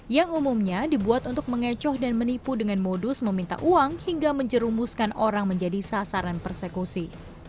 yang umumnya dibuat untuk mengecoh dan menipu dengan modus meminta uang hingga menjerumuskan orang menjadi sasaran persekusi